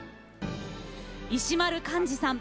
石丸幹二さん。